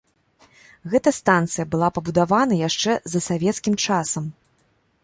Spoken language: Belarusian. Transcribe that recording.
Гэта станцыя была пабудавана яшчэ за савецкім часам.